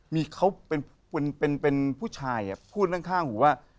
มีเขาเป็นผู้ชายพูดข้างหูว่า